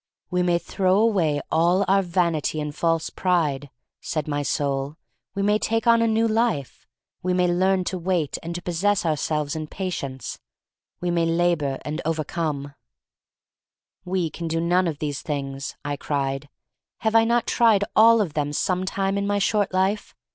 We may throw away all our vanity and false pride," said my soul. "We way take on a new life. We may learn to wait and to possess ourselves in patience. We may labor and over n come." (( We can do none of these things," I 210 THE STORY OF MARY MAC LANE 211 cried. "Have I not tried all of them some time in my short life?